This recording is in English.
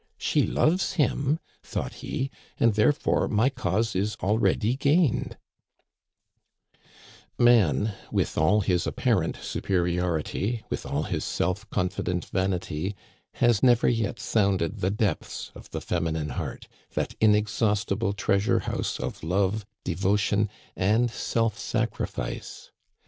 " She loves him," thought he, " and therefore my cause is already gained." Man, with all his apparent superiority, with all his self confident vanity, has never yet sounded the depths Digitized by VjOOQIC l^2 THE CANADIANS OF OLD. of the feminine heart, that inexhaustible treasure house of love, devotion, and self sacrifice.